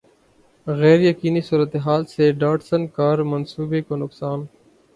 غیریقینی صورتحال سے Datsun car منصوبے کو نقصان